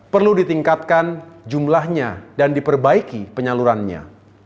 perlu ditingkatkan jumlahnya dan diperbaiki penyalurannya